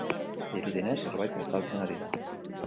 Dirudienez, zerbait estaltzen ari da.